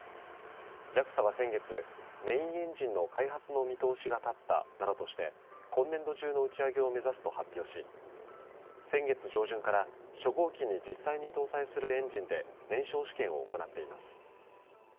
ＪＡＸＡは、先月メインエンジンの開発の見通しが立ったなどとして今年度中の打ち上げを目指すと発表し先月上旬から初号機に実際に搭載するエンジンで燃焼試験を行っています。